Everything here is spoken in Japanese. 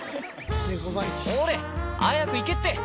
ほれ、早く行けって。